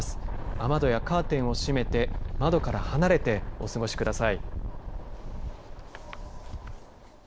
雨戸やカーテンを閉めて窓から離れてお過ごしください。